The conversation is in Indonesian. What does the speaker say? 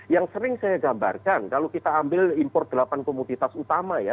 yang sering saya gambarkan kalau kita ambil impor delapan komoditas utama ya